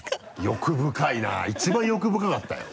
欲深いな一番欲深かったよ。